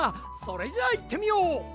それじゃあいってみよう！